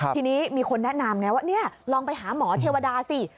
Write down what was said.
ทีนี้มีคนแนะนำไงว่านี่ลองไปหาหมอเทวดาสิ